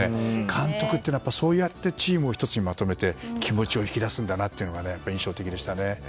監督っていうのは、そうやってチームを１つにまとめて気持ちを引き出すんだなというのが印象的でしたね。